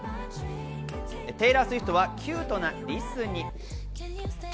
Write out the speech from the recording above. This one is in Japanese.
テイラー・スウィフトはキュートなリスに。